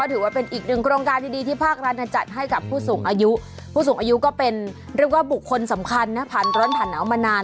ถือว่าเป็นอีกหนึ่งโครงการดีที่ภาครัฐจัดให้กับผู้สูงอายุผู้สูงอายุก็เป็นเรียกว่าบุคคลสำคัญนะผ่านร้อนผ่านหนาวมานาน